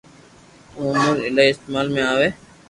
او اموري ايلائي استعمال ۾ آوي ھي